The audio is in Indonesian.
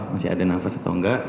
masih ada nafas atau enggak